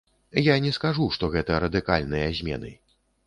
Я не скажу, што гэта радыкальныя змены.